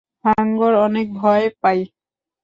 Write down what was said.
হাঙ্গর অনেক ভয় পাই!